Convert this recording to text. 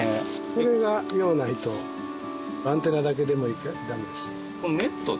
これがようないとアンテナだけでもダメです。